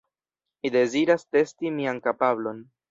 Mi deziras testi mian kapablon.